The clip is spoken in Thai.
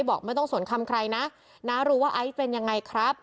บอกไม่ต้องสนคำใครนะน้ารู้ว่าไอซ์เป็นยังไงครับ